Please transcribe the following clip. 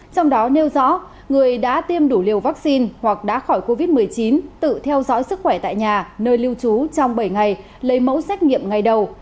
trong đó nêu rõ người đã tiêm đủ liều vaccine hoặc đã khỏi covid một mươi chín tự theo dõi sức khỏe tại nhà nơi lưu trú trong bảy ngày lấy mẫu xét nghiệm ngày đầu